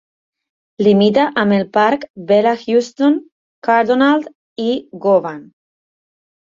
Limita amb el parc Bellahouston, Cardonald i Govan.